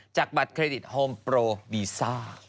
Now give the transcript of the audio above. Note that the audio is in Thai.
บัตรเครดิตโฮมโปรบีซ่า